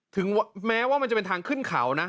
ถึงแม้ว่ามันจะเป็นทางขึ้นเขานะ